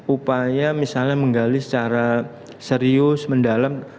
upaya misalnya menggali secara serius mendalam